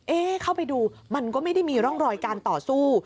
เข้าไปดูมันก็ไม่ได้มีร่องรอยการต่อสู้